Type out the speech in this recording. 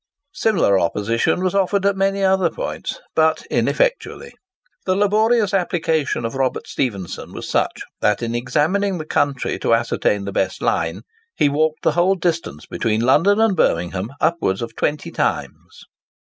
Similar opposition was offered at many other points, but ineffectually. The laborious application of Robert Stephenson was such, that in examining the country to ascertain the best line, he walked the whole distance between London and Birmingham upwards of twenty times.